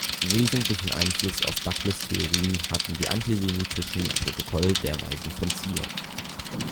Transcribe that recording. Wesentlichen Einfluss auf Douglas Theorien hatten die antisemitischen Protokolle der Weisen von Zion.